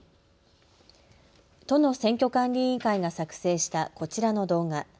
都の選挙管理委員会が作成したこちらの動画。